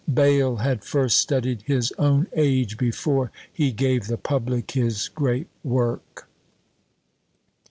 Bayle had first studied his own age before he gave the public his great work.